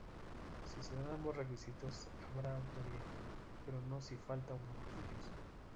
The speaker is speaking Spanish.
Si se dan ambos requisitos habrá autoría, pero no si falta uno de ellos.